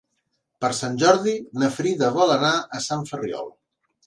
Per Sant Jordi na Frida vol anar a Sant Ferriol.